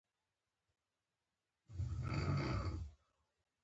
قومونه د ټولو افغانانو ژوند په بېلابېلو ډولونو باندې اغېزمنوي.